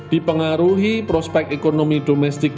dipengaruhi prospek ekonomi domestik